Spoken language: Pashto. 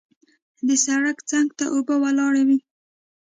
د سړک څنګ ته اوبه ولاړې وې.